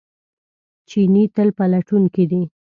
چیني تل پلټونکی دی.